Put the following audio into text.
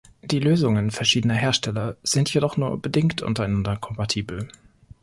Die Lösungen verschiedener Hersteller sind jedoch nur bedingt untereinander kompatibel.